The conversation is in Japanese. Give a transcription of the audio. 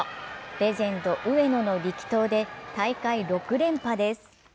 レジェンド・上野の力投で大会６連覇です。